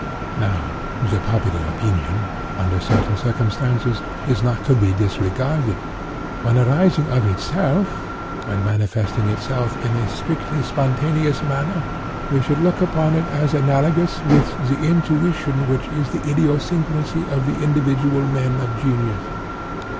Now, the popular opinion, under certain conditions, is not to be disregarded. When arising of itself—when manifesting itself in a strictly spontaneous manner—we should look upon it as analogous with that intuition which is the idiosyncrasy of the individual man of genius.